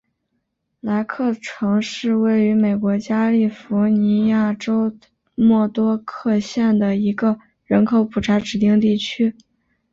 莱克城是位于美国加利福尼亚州莫多克县的一个人口普查指定地区。